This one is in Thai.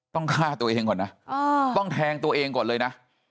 ต้องฆ่าตัวเองก่อนนะต้องแทงตัวเองก่อนเลยนะ